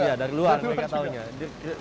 iya dari luar mereka tahunya